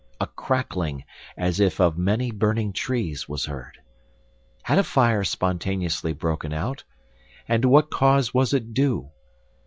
A crackling, as if of many burning trees, was heard. Had a fire spontaneously broken out? And to what cause was it due?